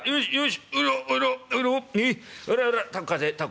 よし。